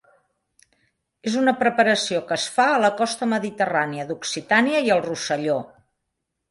És una preparació que es fa a la costa mediterrània d'Occitània i al Rosselló.